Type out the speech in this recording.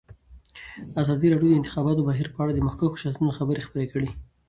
ازادي راډیو د د انتخاباتو بهیر په اړه د مخکښو شخصیتونو خبرې خپرې کړي.